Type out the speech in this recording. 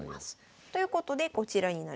ということでこちらになります。